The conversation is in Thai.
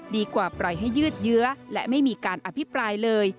ปล่อยให้ยืดเยื้อและไม่มีการอภิปรายเลย